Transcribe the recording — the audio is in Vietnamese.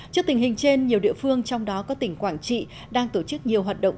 trước tình hình trên nhiều địa phương trong đó có tỉnh quảng trị đang tổ chức nhiều hoạt động